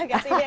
gak sih ya